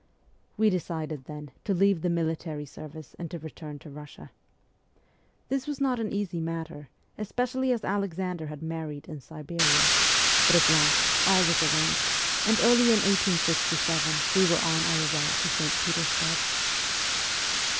We decided, then, to leave the military service and to return to Bussia. This was not an easy matter, especially as Alexander had married in Siberia ; but at last all was arranged, and early in 1867 we were on our way to St. Petersburg.